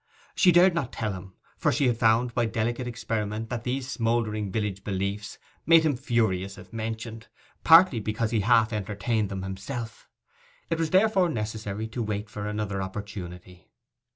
She dared not tell him, for she had found by delicate experiment that these smouldering village beliefs made him furious if mentioned, partly because he half entertained them himself. It was therefore necessary to wait for another opportunity.